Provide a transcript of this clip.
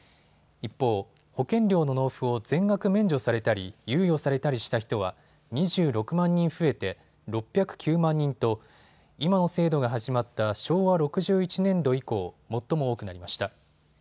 一方、保険料の納付を全額免除されたり猶予されたりした人は２６万人増えて６０９万人と今の制度が始まった昭和６１年度以降、最も多くなりました。